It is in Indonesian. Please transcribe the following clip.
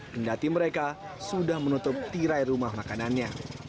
kendati mereka sudah menutup tirai rumah makanannya